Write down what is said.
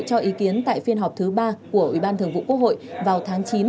cho ý kiến tại phiên họp thứ ba của ủy ban thường vụ quốc hội vào tháng chín